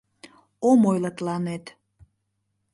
Ом ойло тыланет.